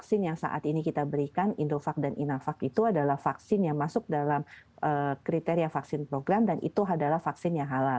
vaksin yang saat ini kita berikan indovac dan inafak itu adalah vaksin yang masuk dalam kriteria vaksin program dan itu adalah vaksin yang halal